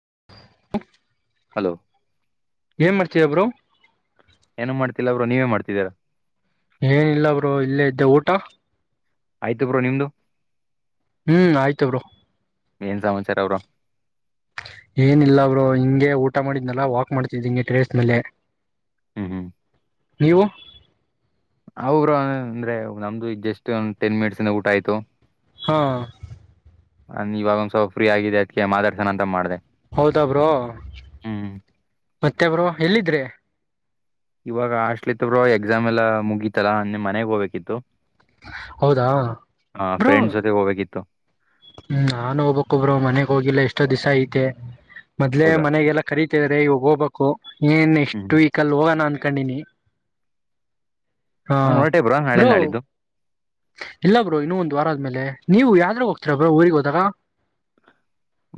ಹ [inaudible] ಹಲೋ, ಏನ್ ಮಾಡ್ತೀವಿಬ್ರೋ,,, - ಏನ ಮಾಡ್ತಿಲ್ಲ ಬ್ರೋ. ನೀವೇನ ಮಾಡ್ತಿದ್ದೀರಾ,, - ಏನಿಲ್ಲ ಬ್ರೋರು ಇಲ್ಲೇ ಇದ್ದೆ ಊಟ. - ಆಯ್ತು. ಬ್ರೋ ನಿಮ್ದು- ಹ್ಮ್, ಆಯ್ತಬ್ರೋ. - ಏನ್ ಸಮಾಚಾರ ಅವರು. - ಏನಿಲ್ಲ ಅವರು ಹಿಂಗೆ ಊಟ ಮಾಡಿದ್ನಲ್ಲ ವಾಕ್ ಮಾಡ್ತಿದ್ದ್ ಹಿಂಗೆ ಟ್ರೇಸ್ ಮೇಲೆ, - ಹ್ಮ್, ಹ್ಮ್ ನೀವು, - ಅವರು ಅಂದ್ರೆ ನಮ್ದು ಜಸ್ಟ್ ಒ ಟೆನ್ ಮಿನಿಟ್ಸ್ಂದ ಊಟ ಆಯ್ತು. ಹಾ [unintelligible] ನ ಇವಾಗ ಒಂದ್ವಲ್ಪ ಫ್ರೀ ಆಗಿದೆ ಅದ್ಕ್ಕೆ ಮಾತಾಡ್ಸಣ ಅಂತ ಮಾಡ್ದ. - ಹೌದ, ಬ್ರೋ... - ಮತ್ತೆಬ್ರೋ, ಎಲ್ಲಿದ್ರೆ? ಇವಾಗ ಹಾಸ್ಟೆಲ್ ಲಿತರು ಎಕ್ಸಾಮ್ ಎಲ್ಲಾ ಮುಗೀತಲ್ಲಾ ಮನೆಗ್ ಹೋಗಬೇಕಿತ್ತು. - ಹೌದಾ... ಬ್ರೋ- ಫ್ರೆಂಡ್ಸ್ ಜೊತೆ ಹೋಗ್ಬೇಕಿತ್ತು ಹ್ಮ, ನಾನು ಹೋಗ್ಬಕಬ್ರೋಮನೆಗ್ ಹೋಗಿಲ್ಲ ಎಷ್ಟೋ ದಿವಸ ಐತೆ. - ಮದ್ಲೆ ಹೌದಾ ಮನೆಗೆಲ್ಲ ಕರೀತೇವ್ರೆ ಇವಾಗ ಹೋಗ್ಬೇಕು. ಏನ್ ಹ್ಮ್ ಎಕ್ಸ್ಟ್ ವೀಕ್ಲ್ಲಿ ಹೋಗೋಣ ಅಂತ, - ಕ್ಣಿನಿ [unintelligible] ನಾ ಹೊರಟೇ ಬ್ರೋನಾಳೆ ನಾಡಿದ್ದು. ಇಲ್ಲ, ಬ್ರೋ ಇನ್ನುೂ ಒಂದು್ ವಾರ ಆದ್ಮೇಲೆ ನೀವು ಯಾದಾಗ ಹೋಗ್ತೀರಾ,. ಬ್ರೋ ಊರಿಗೆ ಹೋದಾಗ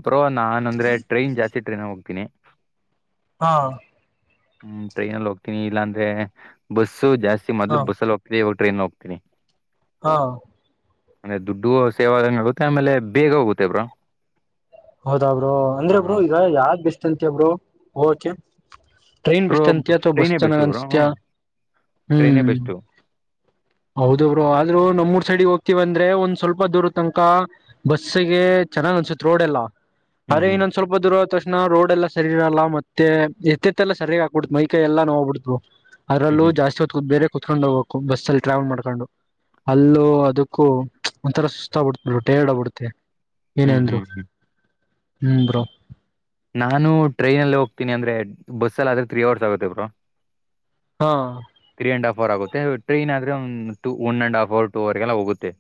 ಬೋ ನಾನನ್ ಅಂದ್ರೆ ಟ್ರೈನ್ ಜಾಸ್ತಿ ಟ್ರೈನ್ಗ ಹೋಗ್ತೀನಿ. - ಹಾ [inaudible] ಹ್ಮ್, ಟ್ರೈನ್ ಅಲ್ಲಿ ಹೋಗ್ತೀನಿ ಇಲ್ಲಾಂದ್ರೆ ಬಸ್ಸು ಜಾಸ್ತಿ, - ಹಾ ಮೊದಲು ಬಸ್ಸಲ ಹೋಗಿತಿದೆ. ಟ್ರೈನ್ ಹೋಗ್ತೀನಿ. - ಹಾ [unintelligible] ಆಮೇಲೆ ದುಡ್ಡು ಸೇವಂಗ ಆಗುತ್ತೆ ಆಮೇಲೆ ಬೇಗ ಹೋಗುತ್ತೆಬ್ರೋ. ಹೌದಾ್ಯ, ರರು ಅಂದ್ರೆಬ್ರು ಈಗ ಯಾವ್ದ್ ಬೆಸ್ಟ್ - ಅಂತ್ಯ bro, okay- train bro best ಅಂತಿಯ ಅಥವಾ ಬಸ್ ಟ್ರೈನೇ ಬೆಸ್ಟು ಚೆನ್ನಾಗ್ ಬ್ರೋ ಹ್ಮ ಅನ್ಸತಯ ಟ್ರೈನೇ ಹ್ಮ್, ಬೆಸ್ಟು ಹೌದಬ್ರೋ ಆದ್ರರು ನಮ್ಮೂರ್ ಸೈಡಿಗೆ ಹೋಗು. - ತಿವ ಅಂದ್ರೆ ಒಂದ್ ಸ್ವಲ್ಪ ದೂರ ತನಕ ಬಸ್ಸಗೆ ಚೆನ್ನಾಗ್ ಅನ್ಸತ್ ರೋಡ್ ಎಲ್ಲ ಹ್ಮ್ ಅರೆ ಹ್ಮ್ ಇನ್ನೊಂದ್ ಸ್ವಲ್ಪ ದೂರವತ ಅಷ್ಟು ತಣ ರೋಡ್ ಎಲ್ಲ ಸರಿ ಇರಲ್ಲ ಮತ್ತೆ ಎತ್ತತ್ತ ಎಲ್ಲ ಸರಿಯಾಗಿ ಆಕ್ಬಿಡ್ತು ಮೈಕೈ ಎಲ್ಲ ನೋವು ಬಿಡ್ತ್ವು ಹ್ಮ್ ಅರಲ್ಲೂ ಜಾಸ್ತಿ ಹೊದತ್ತ ಬೇರೆ ಕುತ್ಕೊಂಡು ಹೋಗ್ಬೇಕು ಬಸ್ ಅಲ್ಲಿ ಟ್ರಾವೆಲ್ ಮಾಡ್ಕೊಂಡು ಅಲ್ಲೂ ಅದಕ್ಕೂ ಒಂಥರ ಸುಸ್ತ ಆಬಿಡ್ತ ಟೈರ್ಡ್ ಆಬಿಡುತ್ತೆ ಹ್ಮ್ ಹ್ಮ್ ಏನೇಂದ್ರು ಹ್ಮ್ ಹ್ಮ್ ಹ್ಮ ಬ್ರೋ ನಾನು ಟ್ರೈನಲ್ಲಿ ಹೋಗ್ತೀನಿ ಅಂದ್ರೆ ಬಸ್ಸಲ್ಲಿ ಆದ್ರೆ ತ್ರ್ರೀ ಅವರ್ಸ್ ಆಗುತ್ತೆ ಬರು ಹಾ ತ್ರೀ ಅಂಡ್ ಫೋರ್ ಆಗುತ್ತೆ ಟ್ರೈನ್ ಆದೆ one and half hour two ಅವರ್ಗೆಲ್ಲ ಹೋಗುತ್ತೆ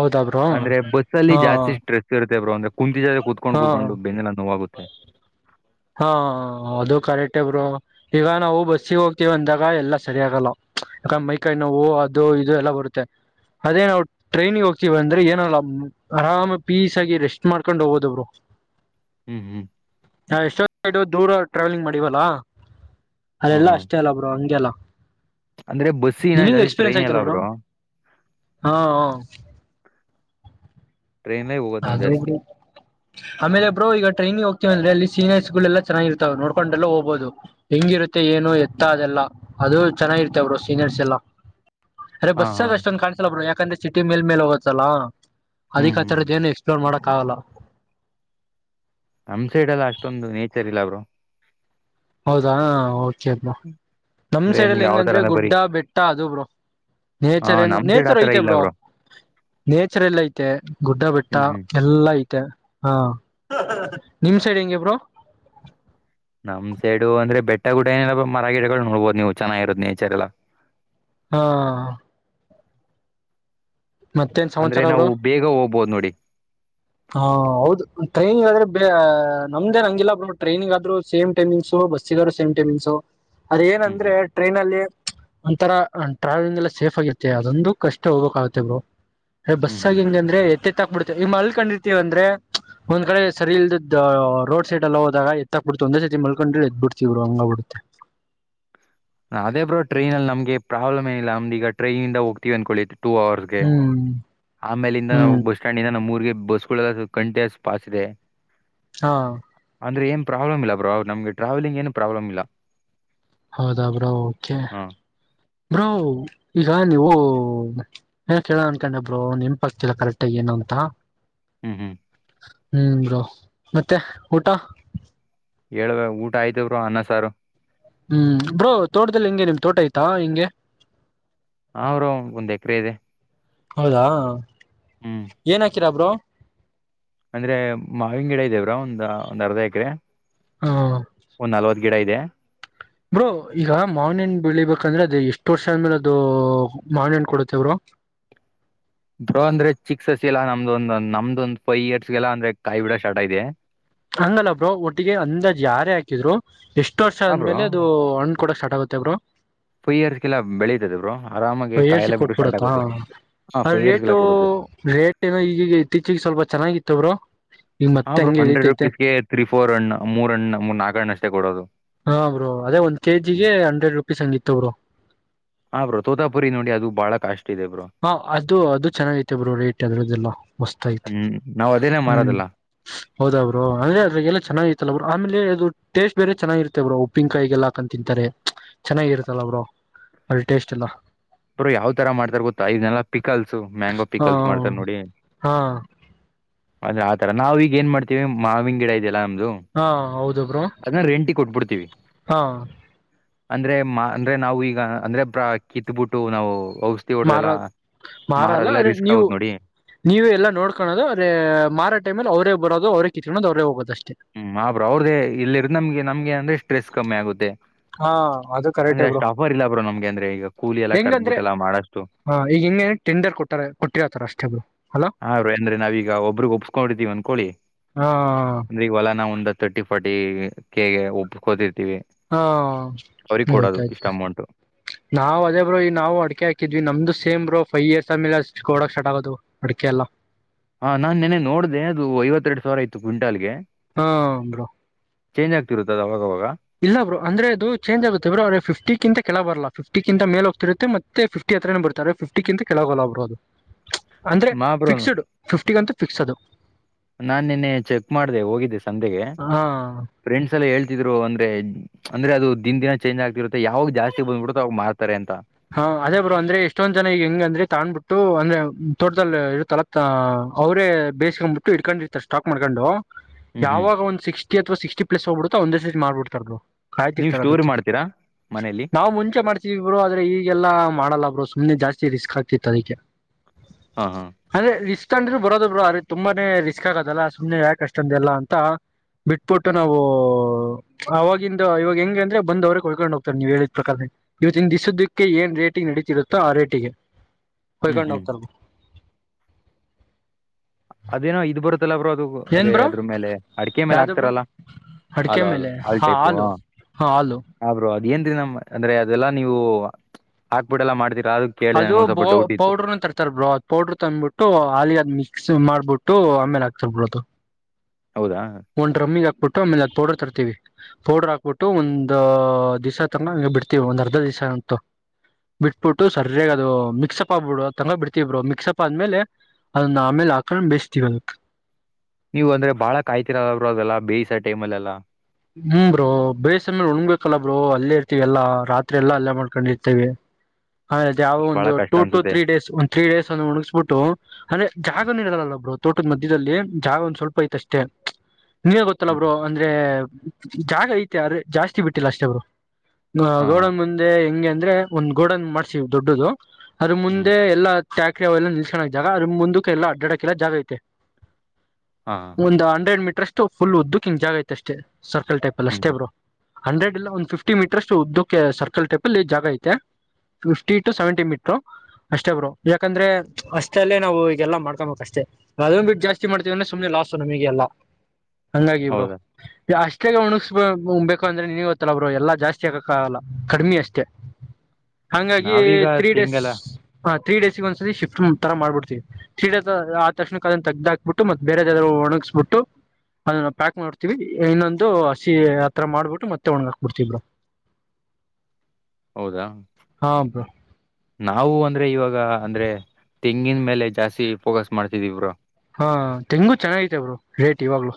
ಹೌದಾ ಬ್ರೋ ಅಂದ್ರೆ ಬಸ್ ಅಲ್ಲಿ ಹಾ ಜಾಸ್ತಿ ಸ್ಟ್ರೆಸ್ ಇರುತ್ತೆ ಬ್ರೋ ಒಂದು ಕುಂತಿದ್ರೆ ಕುತ್ಕೊಂಡು ಹಾ ಕುತ್ಕೊಂಡು ಬೆನ್ನೆ ಕೂತ್ತೆ ಹಾ ಅದು ಕರೆಟ್ಟೆ ಬ್ರೋ ಇಗ ನಾವು ಬಸ್ಸಿಗೆ ಹೋಗ್ತಿವಿ ಅಂದಾಗ ಎಲ್ಲಾ ಸರಿ ಆಗಲ್ಲ ಯಾಕಂದ್ರ ಮೈಕೈ ನೋವು ಅದುೋ ಇದು ಎಲ್ಲಾ ಬರುತ್ತೆ ಅದೇ ನಾವು ಟ್ರೈನಿಗೆ ಹೋಗ್ತೀವ ಅಂದ್ರೆ ಏನಲ್ಲ ಆರಾಮ್ ಪೀಸ್ ಆಗಿ ರೆಸ್ಟ್ ಮಾಡ್ಕೊಂಡ್ ಹೋಗೋದವರು ಹ್ಮ್ ಹ್ಮ್ ನಾ ಎಷ್ಟೊ ದೂರ ಟ್ರಾವೆಲಿಂಗ್ ಮಾಡಿವಲ್ಲಾ ಹಾ ಅದೆಲ್ಲಾ ಹಾ ಅಷ್ಟೇ ಅಲ್ಲ ಬ್ರೋ ಹಂಗೆ ಅಲ್ಲ ಅಂದ್ರೆ ಬಸ್ಸಸಿನ ಜಾಸ್ತಿ ಟ್ರೈನ್ ಅಲ್ಲ ಬ್ರೋ ಹ ಹ ಟ್ರೈನ್ಲೇ ಹೋಗೋದು ನಾವು ಜಾಸ್ತಿ ಅದಕ್ಕೂ ಆಮೇಲೆ ಬ್ರೋ ಈಗ ಟ್ರೈನಿಗೆ ಹೋಗ್ ತಿವಿ ಅಂದ್ರೆ ಅಲ್ಲಿ ಸೀನಿಯರ್ಸ್ ಗಳೆಲ್ಲ ಚೆನ್ನಾಗಿ ಇರ್ತವ್ರು ನೋಡ್ಕೊಂಡೆಲ್ಲ ಹೋಗ್ಬಹುದು ಹೆಂಗಿರುತ್ತೆ ಏನು ಎತ್ತ ಅದೆಲ್ಲ ಅದು ಚೆನ್ನಾಗಿರ್ತ ಅವ್ರು ಸೀನಿಯರ್ಸ್ ಎಲ್ಲಾ ಅರೆ ಹಾ ಬಸ್ಸ ಹಾ ಅಷ್ಟೊಂದು ಕಾಣಸಲ ಬ್ರ ಯಕೆ ಯಾಕಂದ್ರೆ ಸಿಟಿ ಮೇಲ್ ಮೇಲೆ ಹೋಗೋತ್ತಸಲ್ಲಾ ಹ್ಮ್ ಅದಿಕ ಹ್ಮ್ [unintelligible] ಕಾವಲ ನಮ್ ಸೈಡ್ ಅಷ್ಟೊಂದು ನೇಚರ್ ಇಲ್ಲ ಬ್ರೋ ಹೌದಾ ಓಕೆ ಬ್ರೋ ನಮ ಅಂದ್ರೆ ಸೈಡ್ ನೀವ್ ಯಾವ ತರ ಹೆಂಗಂದ್ರೆ ಅಂದ್ರೆ ಬರೀ ಗುಡ್ಡ ಬೆಟ್ಟ ಅದು ಬ್ರೋ ಹ ನೇಚರ್ ಏನು ನಮ್ ಸೈಡ್ ನೇಚರ್ ಆತರ ಐತೆ ಇಲ್ಲ ಬ್ರೋ ನೇಚರ್ ಎಲ್ಲ ಐತೆ ಗುಡ್ಡ ಬೆಟ್ಟ ಹ್ಮ್ ಹ್ಮ್ ಎಲ್ಲಾ ಐತೆ ಮತ್ತೆ ಹಾ ನಿಮ್ ಸೈಡ್ ಹೆಂಗೆ ಬ್ರೋ ನಮ್ ಸೈಡು ಅಂದ್ರೆ ಬೆಟ್ಟ ಗುಡ ಏನ ಮರ ಗಿಡಗಳು ನೋಡ್ಬೋದು ನೀವು ಚೆನ್ನಾಗಿರೋದು ನೇಚರ್ ಎಲ್ಲ ಹಾ ಮತ್ತೇನ್ ಅಂದ್ರೆ ಸಮಾಚಾರ ಬ್ರೋ ನಾವು ಬೇಗ ಹೋಗಬಹದು ನೋಡಿ [inaudible] ಹಾ ಹೌದು ಟ್ರೈನಿಗ ಆದ್ರೆ ನಮ್ದೇ ನ ಹಂಗಿಲ್ಲ ಟ್ರೈನಿಗ ಆದ್ರೂ ಸೇಮ್ ಟೈಮಿಂಗ್ಸು ಬಸ್ಸ ಗಾದರು ಸೇಮ್ ಟೈಮಿಂಗ್ಸು ಅದ ಹ್ಮ್ ಏನಂದ್ರೆ ಹ್ಮ್ ಟ್ರೈನ್ ಅಲ್ಲಿ ಒಂತರ ಟ್ರಾವೆಲಿಂಗ್ ಎಲ್ಲ ಸೇಫ್ ಆಗಿರುತ್ತೆ ಅದೊಂದು ಕಷ್ಟ ಹೋಗಕ ಆಗತ್ತೆ ಬ್ರೋ. ಅ ಹ್ಮ್ ಬಸ್ಸಗ ಹ್ಮ್ ಹೆಂಗ ಅಂದ್ರೆ ಎತಿ ತಬಿುತ್ತೆ ಈ ಮಲಕಂಡ ಇರ. ಇತೀವ ಅಂದ್ರೆ ಒಂದ್ ಕಡೆ ಸರಿ ಇಲ್ದ ರೋಡ್ ಸೈಡ್ ಎಲ್ಲ ಹೋದಾಗ ಎತ್ತಕ್ಬಿಡ್ತವಿ ಒಂದೇ ಸತಿ ಮಲ್ಕೊಂಡ್ರ ಎದ್ಬಿಡ್ತಿವ್ರು ಹಂಗ ಆಬಿಡುತ್ತೆ. ಅದೇ ಬ್ರೋ ಟ್ರೈನ ಅ ನಮಗೆ ಪ್ರಾಬ್ಲಮ ಏನಿಲ್ಲ ಅಮ್ದ ಈಗಟ್ರೈನಿಂದ ಹೋಗತಿವಿ ಅಂದಕೋಳಿ. ಟು ಅವರ್ ಗೆ. ಹ್ಮ್ ಆಮೇಲಿಂದ ನಾವು ಹ್ಮ್ ಬಸ್ ಸ್ಟ್ಯಾಂಡ ನಿಂದ. ನಮ್ಮ್ ಊರಿಗೆ ಬಸ್ಸುಗಳ ಕಂಟೆಯಸ ಪಾಸ್ ಗಳಿಗೆ. ಹಾ ಪ್ರಾಬ್ಲಮ್ ಇಲ್ಲ ಬ್ರೋ ನಮಗೆ ಟ್ರಾವೆಲಿಂಗ್ ಏನು ಪ್ರಾಬ್ಲಮ್ ಇಲ್ಲ. ಹೌದಾ ಬ್ರೋ ಓಕೆ ಹ ಬ್ರೋ ಈಗ ನೀವು. ಏ ಕೇಳೋನ ಅನ್ಕೊಂಡೆ ಬ್ರೋ ನೆನಪಾಗುತ್ತಿಲ್ಲ ಕರೆಕ್ಟ ಆಗಿ ಏನು ಅಂತ. ಹ್ಮ್ ಹ್ಮ್. ಹ್ಮ್ ಬ್ರೋ ಮತ್ತೆ ಊಟಾ. ಹೇಳಳ್ಬೇಕ ಊಟ ಆಯ್ತವರು ಅನ್ನಸಾರು. ಹ್ಮ್ ಬ್ರೋ ತೋಟದಲ್ಲಿ ಹೆಂಗೆ ನಿಮ್ ತೋಟ ಐತ್ಯಾ ಹೆಂಗೆ. ಹಾ ಬ್ರೋ ಒಂದ್ ಎಕರೆ ಇದೆ. ಹೌದಾ. ಹ್ಮ್ ಏನ ಹಾ. ರಾ ಬ್ರೋ. ಅಂದ್ರೆ ಮಾವಿನ ಗಿಡ ಇದೇ ಬ್ರೋ ಒಂದ ಒಂದ್ ಅರ್ಧ ಎಕರೆೆ. ಹ್ಮ. ಗಿಡ ಇದೆ. ಬ್ರೋ ಈಗ ಮಾವನಿನ ಬೆಳಿಬೇಕಂದ್ರೆ ಅದೇ ಎಷ್ಟು. ತೋರ್ಸ ಆದ್ಮೇಲೆ ಅದು ಮಾವಿನ ಹಣ್ಣ ಕೊಡತೇ ಬ್ರೋ. ಬ್ರೋ ಅಂದ್ರೆ ಚಿಕ್ ಸಸಿ ಎಲ್ಲಾ ನಮ್ದು ಒಂದಂದ ನಮ್ದು ಒಂದು ಫೈವ್ ಇಯರ್ಸ್ ಗೆಲ್ಲ ಅಂದ್ರೆ ಕಾಯಿ ಬಿಡೋ ಶಾರ್ಟ ಇದೆ. ಹಂಗಲ್ಲ ಬ್ರೋ ಒಟ್ಟಿಗೆ ಅಂದಾಜ್ ಯಾರೇ ಹಾಕಿದ್ರು. ಎಷ್ಟ ವರ್ಷ ಹಾ ಬ್ರೋ ಆದ್ಮೇಲೆ ಅದು ಹಣ. ಕೂಡ ಸ್ಟಾರ್ಟ ಆಗುತ್ತೆ ಬಿಡು. ಫೈ ಇಯರ್ಸ್ಗೆಲ್ಲಾ ಬೆಳೆತದ ಬರು. [unintelligible] ಏಳ್ಸಿ ಕೊಟ್ಬಿಡತ್ತಾ ಹಾ ಫೈವ್ ಇಯರ್ಸ್ಗೆಲ್ಲ ರೇಟು ಕೊಡುತ್ತೆ ರೇಟ್ ಏನೋ ಈಗಗ ಇತ್ತೀಚೆಗೆ ಸ್ವಲ್ಪ ಚೆನ್ನಾಗಿತ್ತುಬ್ರು. ಹಾ ಬ್ರೋ ಹಂಡ್ರೆಡ್ ರುಪೀಸ್ಗೆ ತ್ರಿ ಫೋರ್ ಹಣ್ ಮೂರ್ ಹಣ್ಣ ನಾಲ್ಕು ಹಣ್ ಅಷ್ಟೇ ಕೊಡೋದು. ಹಾ ಬ್ರೋ ಅದೇ ಒಂದ್ ಕೆ ಜಿಗೆ ಹಂಡ್ರೆಡ್ ರುಪೀಸ್ ಹಂಗಿತ್ತು ಬ್ರರು. ಬಳ ಕಷ್ಟ. ಹಾ ಅದು ಅದು ಚೆನ್ನಾಗ ೈತೆ ಬ್ರೋ ರೇಟ್ ಅದ್ರದದೆಲ್ಲ ಮಸ್ತ ಐತಿ ಹ್ಮ್ ನಾವ್ ಅದೇನೇ ಹ್ಮ್. ಮಾರೋದಲ್ಲ ಹೌದರು ಅಂದ್ರೆ ಅದ್ರಲ್ಲ ಚೆನ್ನಾಗಿತ್ತಲ್ಲ ಅವ್ರರು ಆಮೇಲೆ ಅದು ಟೇಸ್ಟ್ ಬೇರೆ ಚೆನ್ನಾಗಿರುತ್ತ ಬ್ರರು ಉಪ್ಪಿಿನಕಾಯಿಗೆಲ್ಲ ಹಾಕೊಂಡು ತಿಂತಾರೆ ಚೆನ್ನಾಗಿರತಲ್ಲ ಅವ್ರರು ಅದ್ರ ಟೇಸ್ಟ್ ಎಲ್ಲ. ಬ್ರೋ ಯಾವದ ಈ ತರ ಮಾಡ್ತಾರ ಗೊತ್ತಾ ಇದನ್ನಲ್ಲ ಪಿಕಲ್ಸ್ ಮ್ಯಾಂಗೋ ಹಾ ಪಿಕಲ್ಸ್ ಮಾಡ್ತಾರ ನೋಡಿ ಹಾ ಅದೇ ಆತರ ನಾವ ಈಗ ಏನ್ ಮಾಡ್ತೀವಿ ಮಾವಿಂಗಿನ ಗಿಡ ಇದೆಯಲ್ಲ ನಮ್ದು ಹಾ ಹೌದಬ್ರು ಅದನ್ನ ರೆಂಟಿಗೆ ಕೊಟ್ಬಿಡ್ತೀವಿ ಹಾ ಅಂದ್ರೆ ಅಂದ್ರೆ ನಾವು ಈಗ ಅಂದ್ರೆ ಕಿ ಇಟ್ಬಿಟ್ಟು ನಾವು ಔಷಧಿ ಮಾರ ಹೊಡ್ದೆಲ್ಲ ಮಾರಲ್ಲ ಮಾರದೆಲ್ಲ ಅದೇ ರಿಸ್ಕ್ ನೀವು ಆಗುತ್ ನೋಡಿ ನೀವ ಎಲ್ಲ ನೋಡ್ಕಳದು ಅದೇ ಮಾರ ಟೈಮಲ್ಲಿ ಅವರೇ ಬರೋದು ಅವ್ರರೆ ಕಿನ ದರೆ ಹೋಗುತ್ತಷ್ಟ ಹ್ಮ್ ಆ್ರ ಅವ್ರ್ದೇ ಇಲ್ಲಿ ಇರ್ ನಮ್ಗೆ ನಮ್ಗೆ ಅಂದ್ರೆಷ್ಟ ಸ್ಟ್ರೆಸ್ ಕಮ್ಮಿ ಆಗುತ್ತೆ ಹಾ ಅದು ಕರೆಕ್ಟ್ ಅಂದ್ರೆ ಬ್ರು ಅಷ್ಟು ಆಫರ್ ಇಲ್ಲ ಬ್ರೋ ನಮ್ಗೆ ಅಂದ್ರೆ ಈಗ ಕೂಲಿ ಎಲ್ಲ ಹೆಂಗಂದ್ರೆ ಕರ್ದ್ಬಿಟ್ಟೆಲ್ಲ ಮಾಡಷ್ಟು ಹ ಈಗ ಹೆಂಗ ಟೆಂಡರ್ ಕೊಟ್ಟಾರ ಕೊಟ್ಟಿರತಾರ ಅಷ್ಟೆಬ್ರು ಅಲ ಹಾ ಬ್ರೋ ಅಂದ್ರೆ ನಾವೀಗ ಒಬ್ರಿಗೆ ಒಪ್ಸ್ಕೊಂಡಿರ್ತೀವಿ ಹಾ ಅವ ನಾ ಒಂದು ತರ್ಟಿ ಫಾರಟಿ ಕೆಗೆ ಒಪ್ಕೋತವಿ ಹಾ ಇಷ್ಟ ಗೊತ್ತಾಯ್ತು ಅಮೌಂಟ್ ನಾವು ಅದೇ ಬ್ರೋ ಈ ನಾವು ಅಡ್ಕೆ ಹಾಕಿದ್ವಿ ನಮ್ದು ಸೇಮ ಬ್ರೋ ಫೈವ್ ಇಯರ್ಸ್ ಆಮೇಲೆ ಅಷ್ಟ ಕೊಡಕ್ ಸ್ಟರ್ಟ್ ಆಗೋದು ಅಡಿಕೆ ಎಲ್ಲ ಹಾ ನಾನ್ ನೆ ನೋಡ್ದ ಅದು ಐವತ್ತೆರಡು ಸಾವಿರ ಆಯತು ಕ್ವಿಂಟಾಲ್ಗೆ ಹಾ ಬ್ರೋ ಚೇಂಜ್ ಆಗ್ತಿರುತ್ತದೆದ ಅವಾಗ ಅವಾಗ ಇಲ್ಲ ಬ್ರೋ ಅಂದ್ರೆ ಅದು ಚೇಂಜ್ ಆಗುತ್ತೆ ಬ್ರ ಅವ್ರ ಫಿಫ್ಟಿಂತಕಿಂತ ಬರ್ಲಾ ಫಿಫ್ಟಿ ಮೇಲೆ ಹೋಗ್ತಿರುತ್ತ ಫಿಟಿತ್ರನ ಬರ್ತಾರೆ ಫ್ಟಿಂತ ಕೆಳಗೋಲ್ಲ ಬ್ರರು ಅದು ಅಂದ್ರೆ ಮಾ ಬ್ರೋ ಫಿಕ್ಸ್ಡ್ ಫಿಫ್ಟಿ ಅಂತೂ ಫಿಕ್ಸ್ ಅದು ನಾನ್ ನಿನ್ನೆ ಚೆಕ್ ಮಾಡ್ದ ಹೋಗಿದ್ದೆ ಸಂತ್ತೆಗೆ ಹಾ ಫ್ರೆಂಡ್ಸ್ ಎಲ್ಲ ಹೇಳ್ ದ್ರು ಅಂದ್ರೆ ಅಂದ್ರೆ ಅದು ದಿನ ಚೇಂಜ್ ಆಗ್ತಿರುತ್ತ ಯಾವಾಗ ಜಾಸ್ತಿ ಬಂದ್ಬಿಡುತ್ತೋ ಅವಾಗ ಮಾರತಾರೆ ಅಂತ ಹಾ ಅದೇ ಬ್ರೋ ಅಂದ್ರೆ ಎಷ್ಟೊಂದ್ ಜನ ಈಗ ಹೆಂಗ ಅಂದ್ರೆ ತಾಣ್ಬಿಟ್ಟು ಅಂದ್ರೆ ತೋಟಲ್ ಇತಲ ಅವ್ರೇ ಬೇಸ್ಕೊಂಡ್ಬಿಟ್ಟು ಇಡ್ಕೊಂಡರ್ತ ಸ್ಟಾಕ್ ಮಾಡ್ಕೊಂಡು ಹ್ಮ್ ಹ್ಮ್ ಯಾವಾಗ ಒಂದ್ ಸಿಕ್ಸ್ ಅಥವಾ ಸಿಕ್ಟಿ ಪಲಸ್ ಹ್ಬಿಡ್ತ ಒಂದೇ ಸತಿ ಮಾರಿ ಬಿಡ್ತಾರ್ ಬ್ರೋ ನೀವ್ ಆಯ್ತಿರ್ತಾರ ಸ್ಟೋರಿ ಅದಕ್ಕೆ ಮಾಡ್ತೀರಾ ಮನೇಲಿ ನಾವು ಮುಂಚೆ ಮಾಡ್ತಿದವಿ ಬ್ರೋ ಆದ್ರೆ ಈ ಎಲ್ಲ ಮಾಡಲ್ಲ ಬ್ರೋ ಸುಮನೆ ಜಾಸ್ತಿ ರಿಸ್ಕ್ ಆಗ್ತಿತ್ತು ಅದಕ್ಕೆ ಹಾ ಹಾ ಅದೆ ಈ ಇ್ರ ಬರೋದು ಬ್ರೊ ತುಂಬಾನೇ ರಿಸ್ಕ್ ಆಗದಲ್ಲ ಸುಮ್ನೆ ಯಾಕೆ ಅಷ್ಟಂದ ಎಲ್ಲ ಅಂತ ಬಿಟ್ಬಿಟ್ಟು ನಾವು ಆವಾಗಿಂದ ಇವಾಗ ಹೆಂಗೆ ಅಂದ್ರೆ ಬಂದವ್ರೇ ಕೊಳ್ಕೊಂಡ್ ಹೋಗ್ತಾರೆ ನೀವ್ ಹೇಳಿದ ಪ್ರಕಾರ ಇವತ್ತನ್ ದಿಸ ದಿ ಕಕೆ ಏನ್ ರೇಟಿಂಗ್ ನಡೀತಿರುತ್ತೋ ಆ ರೇಟಿಗೆ ಹ್ಮ್ ಕೊಯಕೊಂಡು ಹ್ಮ್ ಹೋಗ್ತಾರೆ ಅದೇನೋ ಇದು ಬರುತ್ತೆ ಬ್ರೊ ಅದು ಏನ್ ಅದೇ ಬ್ರೋ ಅದ್ರ ಮೇಲೆ ಅಡಿಕೆ ಮೇಲೆ ಯಾವ್ದು ಬ್ರೋ ಹಾಗ್ತಾರಲ್ಲ ಹಾಲು ಹಾ ಹಾಲು ಟೈಪ ಹಾ ಹಾಲು ಹ ಏನ್ ನಮ್ಮ ಅಂದ್ರೆ ಅದೆಲ್ಲಾ ನೀವು ಹಾಕ್ಬಿಡ್ಲ್ ಮಾಡ್ತರಿ ಅದು ಬೋ ಪೌಡ್ರ ತರ್ತಾರ ಬ್ರೋ ಅ್ ಪೌಡ್ರ ತಂದ್ಬಿಟ್ಟು ಹಾಲ ಅದ್ ಮಿಕ್ಸ್ ಮಾಡ್ಬಿಟ್ಟು ು ಆಮೇಲೆ ಹಾಕ್ತರ್ ಬ್ರೊ ಅದು ಹೌದಾ ಒನ್ ರಮ್ಮಿಗ ಹಬಿಟ್ಟು ಆಮೇಲೆ ಅದ ಪೌಡರ್ ತರ್ತೀವಿ ಪೌಡರ್ ಹಾಕ್ಬಿಟ್ಟು ಒಂದ್ ದಿವಸ ತರಂ ಬಿಡ್ತವಿ ಒಂದ್ ಅರ್ಧ ದಿವಸ ಅಂತು ಬಿಟ್ಬಿಟ್ಟು ಸರಿಯಾಗಿ ಅದು ಮಿಕ್ಸ್ಪ್ ಆಗ್ಬಿಡು ತಂಗ ಬಿಡ್ತೀ ಬ್ರೊ ಮಿಕ್ಸಪ್ ಆದ್ಮೇಲೆ ಅದನ್ನ ಆಮೇಲೆ ಹಾಕೊಂಡು ಬೇಯ್ತೀವಿ ಅದ ನೀವು ಅಂದ್ರೆ ಬಾಳ ಕಾಯ್ತಿರಲ ಅದೆಲ್ಲಾ ಬೇಯಿಸ ಟೈಮ್ಲ್ಲಾ ಹ್ಮ್ ಬ್ರೋ ಬೇಸಮೇಲೆ ಉಣ್ಬೇಕಲ್ಲ ಬ್ರೋ ಅಲ್ಲೇ ಇರ್ತೀವಿ ಎಲ್ಲಾ ರಾತ್ರಿ ಎಲ್ಲಾ ಅಲ್ಲೇ ಮಾಡ್ಕೊಂಡಿರ್ತೇವಿ ಹಾಗ ಯಾವ ಬಹಳ ಒಂದು ಕಷ್ಟ ಟೂ ಟು ಅನ್ಸುತ್ತೆ ತ್ರೀ ಡೇಸ್ ಒಂದ ತ್ರೀ ಡೇಸ್ ಒಂದ ಮುಣಗಿಸ್ಬಿಟ್ಟು ಅಂದೆ ಜಾಗನೆ ಇರಲ್ಲ ಬ್ರೊ ತೋಟದ ಮಧ್ಯದಲ್ಲಿ ಜಾಗ ಒಂದ್ ಸ್ವಲ್ಪ ಐತಷ್ಟೇ ನೀವೇ ಗೊತ್ತಲ್ಲ ಹ್ಮ್ ಬ್ರೊ ಅಂದ್ರೆ ಜಾಗ ಐತೆ ಅದ್ರೆ ಜಾಸ್ತಿ ಬಿಟ್ಟಿಲ್ಲ ಅಷ್ಟೆಬ್ರೊ ಹ ಹಾ ಹಾ ಗೋಡನ್ ಮುಂದೆ ಹೆಂಗೆ ಅಂದ್ರೆ ಒಂದ್ ಗೋಡನ್ ಮಾಡ್ಸ್ ದೊಡ್ಡದು ಅದ ಹ್ಮ್ ಮುಂದೆ ಎಲ್ಲ ಟ್ಯಾಕ್ರಿ ಅವೆಲ್ಲ ನಿಲ್ಸಣದ್ ಜಾಗ ಅದ್ರು ಮುಂದಕ್ಕೆ ಎಲ್ಲ ಅಡ್ಡಾಡಕ್ಕೆಲ್ಲ ಜಾಗ ಐತೆ ಹಾ ಹಾ ಒಂದು ಹಂಡ್ರೆಡ್ ಮೀಟ ಅಸ್ಟ್ ಫುಲ್ ಉದ್ದುಕಿಂಗ ಜಾಗ ಐತ ಅಷ್ಟೇ ಸರ್ಕಲ್ ಟೈಪ ಅಲ್ ಅಷ್ಟೇ ಹ್ಮ್ ಬ್ರೊ ಹಂಡ್ರೆಡ್ ಇಲ್ಲ ಒಂದ್ ಫಿಫ್ಟಿ ಮೀಟ್ರ ಅಷ್ಟು ಉದ್ದಕ್ಕೆ ಸರ್ಕಲ್ ಟೈಪ್ಲ್ಲಿ ಜಾಗ ಐತೆ ಫಿಫ್ಟಿ ಟು ಸೆವೆಂಟಿ ಮೀಟರು ಅಷ್ಟೇ ಬ್ರೊ ಯಾಕಂದ್ರೆ ಅಷ್ಟೇಲ್ಲೇ ನಾವು ಈಗೆಲ್ಲಾ ಮಾಡ್ಕೊಬೇಕು ಅಷ್ಟೇ ಅದೊ ಬಿಟ್ಟ ಜಾಸ್ತಿ ಮಾಡ್ತೀವಿಂದ್ರೆ ಸುಮ್ನೆ ಲಾಸ್ ನಮಗೆ ಎಲ್ಲ ಹಂಗಾಗಿಬ್ರೊ ಹೌದಾ ಅಷ್ಟೇಾಗ ಉಣಗ್ಸ್ ಉ್ಬೇಕು ಅಂದ್ರೆ ನಿನಗೆ ಗೊತ್ತಲ್ಲ ಬ್ರೋ ಎಲ್ಲಾ ಜಾಸ್ತಿ ಆಗಕ್ಕ ಆಗಲ್ಲ ಕಡಿಮಿ ಅಷ್ಟೇ ಹಂಗಾಗಿ ನಾವೀಗ ತ್ರೀ ಡೇಸ್ ತೆಂಗೆಲ್ಲ ಹಾ ತ್ರೀ ಡೇಸ್ಗೆ ಒಂದ್ಸ ಶಿಫ್ಟ್ ತರ ಮಾಡ್ಬಿಡ್ತಿವಿ ತ್ರೀ ಡೇಸ್ ಆ ತಕ್ಷಣಕ್ಕದನ್ನ ತೆ್ದಾಕ್ಬಿಟ್ಟ ಮತ್ತೆ ಬೇರೆಾದ್ರು ಒಣಗಿಸ್ಬಿಟ್ಟು ಅದನ್ನ ಪ್ಯಾಕ್ ಮಾಡ್ತತಿವಿ ಇನ್ನೊಂದು ಹಸಿ ಆತ್ರರ ಮಾಡ್ಬಿಟ್ಟು ಮತ್ತೆ ಒಣಗಾಕ್ಬಿಡ್ತಿವಿ ಬ್ರೊ ಹೌದಾ ಹಾ ನಾವು ಅಂದ್ರೆ ಇವಾಗ ಅಂದ್ರೆ ತೆಂಗಿನ ಮೇಲೆ ಜಾಸ್ತಿ ಫೋಕಸ್ ಮಾಡ್ತಿದೀವಿ ಬ್ರೊ ಹಾ ತೆಂಗು ಚೆನ್ನಾಗೈತೆ ಬ್ರೊ ರೇಟ್ ಇವಾಗ್ಲುೂ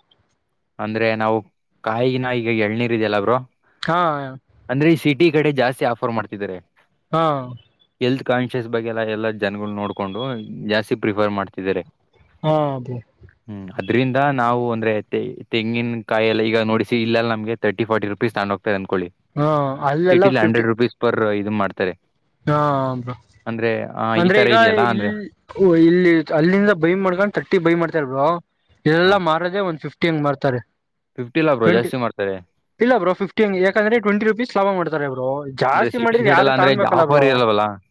ಅಂದ್ರೆ ನಾವು ಕಾಯಗಿನ ಈಗ ಎಳ್ನೀರ್ ಇದೆಲ್ಲ ಬ್ರೊ ಹಾಂ ಈ ಕಡೆ ಜಾಸ್ತಿ ಆಫರ್ ಮಾಡ್ತಿದ್ದಾರೆ ಹಾ ಎಲ್ತ್ ಕಾನ್ಷಿಯಸ್ ಬಗ್ಗೆ ಎಲ್ಲ ಎಲ್ಲಾ ಜನಗಳು ನೋಡಕೊಂಡು ಜಾಸ್ತಿ ಪ್ರಿಫರ್ ಮಾಡ್ತಿದ್ದಾರೆ ಹಾ ಅದು ಹ್ಮ್ ಅದ್ರಿಂದ ನಾವು ಅಂದ್ರೆತೆಂಗಿ ತೆಂಗಿನಕಾಯಿ ಎಲ್ಲ ಈಗ ನೋಡಿಸಿ ಇಲ್ಲೆಲ್ಲ ನಮಗೆ ತರ್ಟಿ ಫಾರ್ಟಿ ರುಪೀಸ್ ತಗೊಂಡು ಹೋಗ್ತದೆ ಅಂದನ್ಕೊಳ್ಳಿ ಹಾ ಅಲ್ಲೆಲ್ಲ ಫಿಫ್ಟಿ ಇದು ಮಾಡ್ತಾರೆ ಹಾ ಬ್ರೋ ಅಂದ್ರೆ ಆ ಈ ಅಂದ್ರೆ ತರ ಈಗ ಇದೆಯಲ್ಲಾ ಇ ಅಂದ್ರೆ ಇಲ್ಲಿ ಅಲ್ಲಿಂದ ಬೈ ಮಾಡ್ಕೊಂಡು ತರ್ಟ್ಟಿ ಬೈ ಮಾಡ್ತಾರ ಬ್ರೋ ಹ ಎಲ್ಲಾ ಮಾರದೆೇ ಒನ್ ಫಿಫ್ಟಿ. ಟೀ ಹೆಂಗ್ ಮಾಡ್ತಾರೆ. ಫಿಫ್ಟಿ ಇಲ್ಲ ಬ್ರೋ ಟ್ವೆಂಟಿ ಜಾಸ್ತಿ ಮಾಡ್ತಾರೆ ಇಲ್ಲ ಬ್ರೋ ಫಿಫ್ಟಿನ ಯಾಕಂದ್ರೆ ಟ್ವೆಂಟಿ ರುಪೀಸ್ ಲಾಭ ಮಾಡ್ತಾರೆ ಗುರು ಜಾಸ್ತಿ ಮಾಡಿದ್ರೆ ಯಾರು ತಾಣ್ಬೇಕು. ಉಪಾರಿ ಇರಲ್ಲವಲ್ಲ. [inaudible]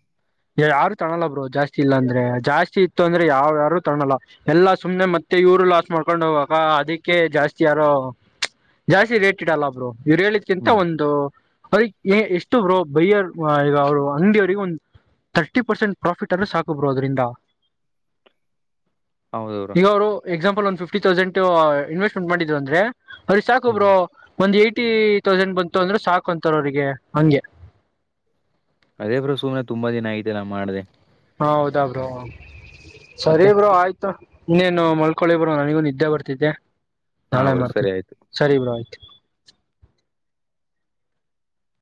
ಇಲ್ಲಿ ಯಾರು ತೊಗಲಲ್ಲ ಬ್ರೋ ಜಾಸ್ತಿ ಇಲ್ಲಾಂದ್ರೆ ಜಾಸ್ತಿ ಇತ್ತು ಅಂದ್ರೆ ಯಾವ್ಯಾರು ತೊಗಲ್ಲ ಎಲ್ಲಾ ಸುಮ್ನೆ ಮತ್ತೆ ಇವರು ಲಾಸ್ ಮಾಡ್ಕೊಂಡು ಹೋಗಕ ಅದಕ್ಕೆ ಜಾಸ್ತಿ ಯಾರೋ ಜಾಸ್ತಿ ರೇಟ್ ಇಡಲ್ಲ ಬ್ರೋ. ಇವ್ರು ಹೇಳಿದ್ಕಿಂತ ಹ್ಮ್ ಒಂದು. ಅದಕ್ [inaudible] ನೆ ಎಷ್ಟು ಬ್ರೋ ಬಯ್ಯರ್. ಈಗ ಅವರು ಅಂಗಡಿಯವರಿಗೆ ಒಂದ ಥರ್ಟಿ ಪರ್ಸೆಂಟ್ ಪ್ರಾಫಿಟ್ ಅನ್ನು ಸಾಕು ಬ್ರೋ ಅದ್ರಿಂದ. ಹೌದು bro. Example one fifty thousand investment ಮಾಡಿದ್ದ ಅಂದ್ರೆ. ಅವ್ರಿಗೆ ಸಾಕ ಹ್ಮ್ ಬ್ರೋ ಒಂದ್ ಏ. ಫಿಫ್ಟಿ ತೌಸಂಡ್ ಬಂತು ಅಂದ್ರೆ ಸಾಕು ಅಂತಾರೆ ಅವ್ರಿಗೆ ಹಂಗೆ. ಅದೇ ಬ್ರೋ ಸುಮ್ನೆ ತುಂಬಾ ದಿನ ಐತಲ್ಲ ಮಾಡ್ದೆ. ಹಾ ಹೌದಾ ಬ್ರೋ. ಸರಿ ಮತ್ತೆ ಬ್ರೋ ಆಯ್ತು. ಇನ್ನೇನು ಮಲ್ಕೊಳ್ಳಿ ಬ್ರೋ ನನಿಗೂ ನಿದ್ದೆ ಬರ್ತಿದ್ದೆ. ಹಾ ನಾಳೆ ಬ್ರೋ ಸರಿ ಮಾಡ್ತೀನಿ ಆಯ್ತು. ಸರಿ ಬಿಡ ಆಯ್ತು.